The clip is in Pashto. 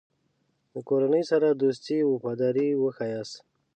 د کورنۍ سره دوستي او وفاداري وښیاست.